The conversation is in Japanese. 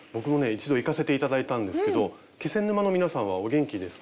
一度行かせて頂いたんですけど気仙沼の皆さんはお元気ですか？